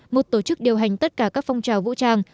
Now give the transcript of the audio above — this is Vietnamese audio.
một tổ chức điều hành tất cả các phong trào vũ trang